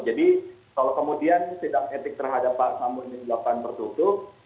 jadi kalau kemudian sidang etik terhadap pak samudin dilakukan tertutup